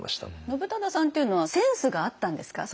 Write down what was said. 信忠さんっていうのはセンスがあったんですか？